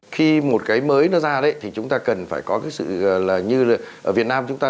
khi một cái mới nó ra đấy thì chúng ta cần phải có cái sự là như là ở việt nam chúng ta